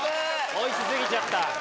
おいし過ぎちゃった。